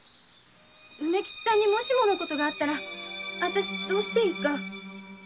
梅吉さんにもしものことがあったら私どうしていいか。